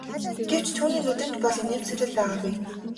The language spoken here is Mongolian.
Гэвч түүний нүдэнд бол инээмсэглэл байгаагүй.